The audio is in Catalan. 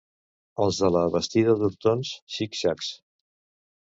Els de la Bastida d'Hortons, xic-xacs.